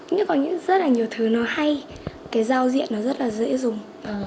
nhưng có rất là nhiều thứ nó hay cái giao diện nó rất là dễ dùng